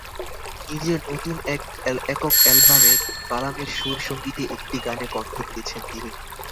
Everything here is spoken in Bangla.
নিজের নতুন একক অ্যালবামে বালামের সুর-সংগীতে একটি গানে কণ্ঠ দিয়েছেন তিনি।